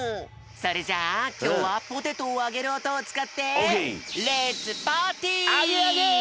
それじゃあきょうはポテトをあげるおとをつかってあげあげ！